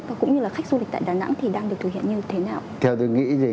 và cũng như là khách du lịch tại đà nẵng thì đang được thực hiện như thế nào